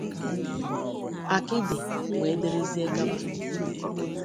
akịdị w.d.g